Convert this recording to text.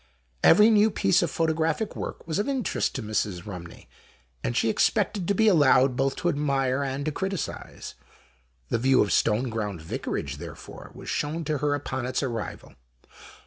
Every new piece of photographic work was of interest to Mrs. Eumney, and she expected to be allowed both to admire and to criticise. The view of Stoneground Vicarage, therefore, was shewn to her upon its arrival.